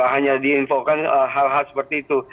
hanya diinfokan hal hal seperti itu